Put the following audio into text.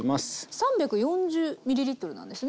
３４０ｍなんですね。